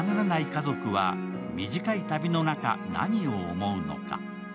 家族は短い旅の中、何を思うのか。